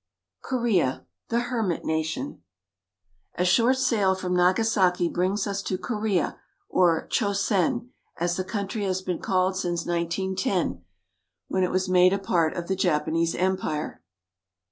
KOREA, THE HERMIT NATION A SHORT sail from Nagasaki brings us to Korea, or Chosen, as the country has been called, since 1910, when it was made a part of' the Japanese Empire.